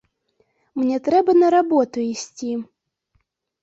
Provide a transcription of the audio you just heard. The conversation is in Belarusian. Мне трэба на работу ісці.